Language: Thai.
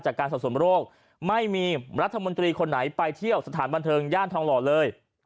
จากการสอบส่วนโรคไม่มีรัฐมนตรีคนไหนไปเที่ยวสถานบันเทิงย่านทองหล่อเลย